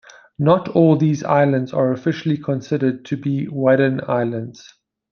Not all these islands are officially considered to be Wadden Islands.